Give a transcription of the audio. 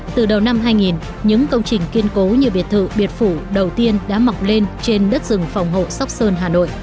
từ đầu năm hai nghìn những công trình kiên cố như biệt thự biệt phủ đầu tiên đã mọc lên trên đất rừng phòng hộ sóc sơn hà nội